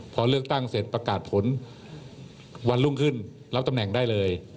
พอเลือกตั้งเสร็จประกาศผลวันรุ่งขึ้นรับตำแหน่งได้เลย